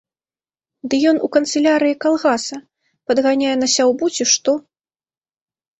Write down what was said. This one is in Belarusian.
Ды ён у канцылярыі калгаса, падганяе на сяўбу, ці што.